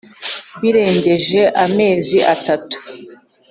Birengeje amezi atatu .